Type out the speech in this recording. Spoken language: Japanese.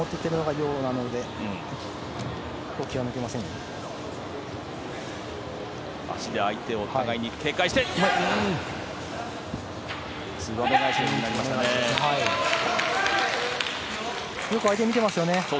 よく相手を見てますよね。